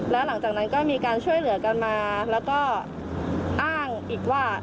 แล้วหลังจากนั้นก็มีการช่วยเหลือกันมาแล้วก็อ้างอีกว่า